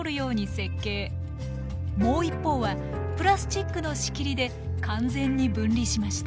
もう一方はプラスチックの仕切りで完全に分離しました。